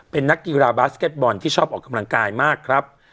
เป็นนักกีฬาบาสเก็ตบอลที่ชอบออกกำลังกายมากครับ